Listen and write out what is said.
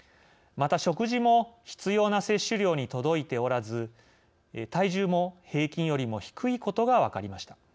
また、食事も必要な摂取量に届いておらず体重も平均よりも低いことが分かりました。